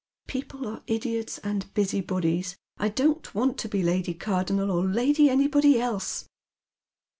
" People are idiots and busybodies. I don't want to be Lady Cardonnel, or Lady anybody else."